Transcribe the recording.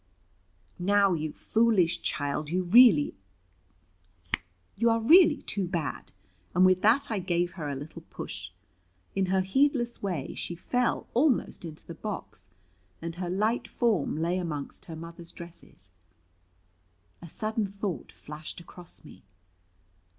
"Now, you foolish child, you are really too bad." And with that I gave her a little push. In her heedless way, she fell almost into the box, and her light form lay amongst her mother's dresses. A sudden thought flashed across me.